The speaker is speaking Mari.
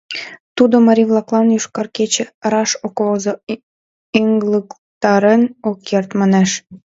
Тудо «.марий-влаклан «Йошкар кече» раш ок возо, ыҥлыктарен ок керт» манеш.